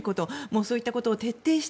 そういったことを徹底して